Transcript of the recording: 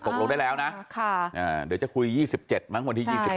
ตกลงได้แล้วนะเดี๋ยวจะคุย๒๗มั้งวันที่๒๗